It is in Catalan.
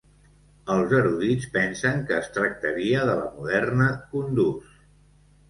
Els erudits pensen que es tractaria de la moderna Kunduz.